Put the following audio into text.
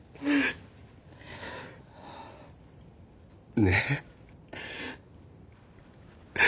ねえ。